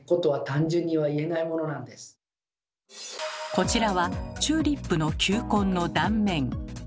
こちらはチューリップの球根の断面。